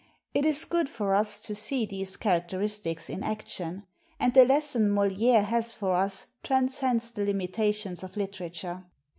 It is good for us to see these characteristics in action; and the lesson Moli 225 THE MODERNITY OF MOLIERE has for us transcends the limitations of litera ture.